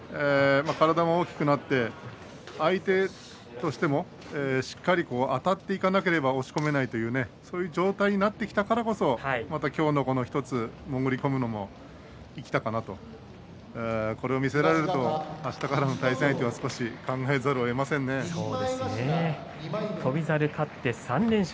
体も大きくなって相手としてもしっかりあたっていかなければ押し込めないとそういう状態になってきたからこそ今日のような潜り込むのも生きたかなとこれを見せられるとあしたからの対戦相手を翔猿勝って３連勝。